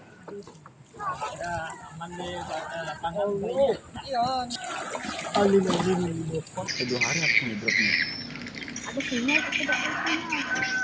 sejak hari ini banjir menyebabkan kabupaten mahakam ulu terisolasi